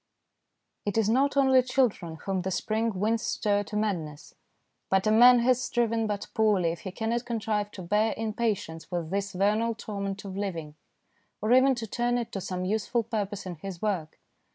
It is not only children whom the spring winds stir to madness, but a man has striven but poorly if he cannot contrive to bear in patience with this vernal torment of living, or even to turn it to some useful purpose in his work.